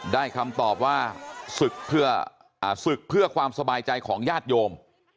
ได้คำตอบว่าศึกเพื่อความสบายใจของญาติโยม